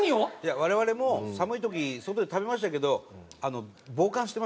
我々も寒い時外で食べましたけど。